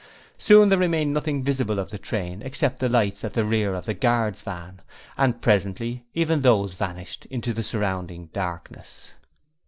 Soon there remained nothing visible of the train except the lights at the rear of the guard's van, and presently even those vanished into the surrounding darkness.